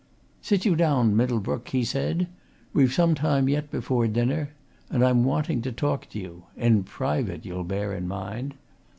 "Sit you down, Middlebrook," he said. "We've some time yet before dinner, and I'm wanting to talk to you in private, you'll bear in mind.